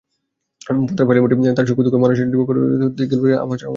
পদ্মার পলিমাটি, তার সুখ-দুঃখ, মানুষের কাঠামোগত দিকগুলো বিবেচনা করে আমার ছবি আঁকা।